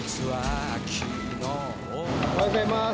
おはようございます。